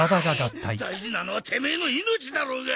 大事なのはてめえの命だろうが！